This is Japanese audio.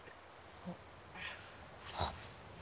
あっ！